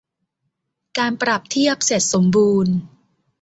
การปรับเทียบเสร็จสมบูรณ์